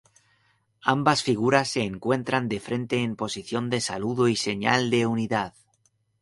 Ambas figuras se encuentran de frente en posición de saludo y señal de unidad.